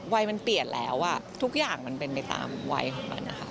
วัยมันเปลี่ยนแล้วทุกอย่างมันเป็นไปตามวัยของมันนะคะ